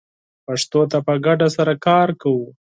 پښتو ته په ګډه سره کار کوو